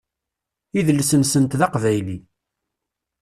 Idles-nsent d aqbayli.